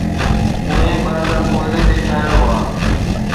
اهي ٻرندڙ ڪوئلي تي ٺهيل هئا.